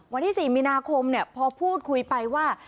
วันที่๔มีนาคมพอพูดคุยไปว่า